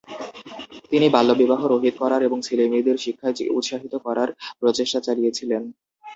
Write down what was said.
তিনি বাল্যবিবাহ রহিত করার এবং মেয়েদের শিক্ষায় উৎসাহিত করার প্রচেষ্টা চালিয়েছিলেন।